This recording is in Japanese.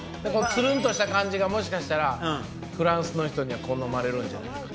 つるんとした感じがもしかしたら、フランスの人には好まれるんじゃないかと。